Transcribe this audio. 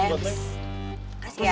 terima kasih ya